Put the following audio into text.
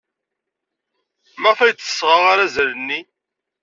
Maɣef ay d-tesɣa arazal-nni?